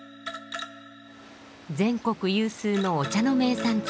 全国有数のお茶の名産地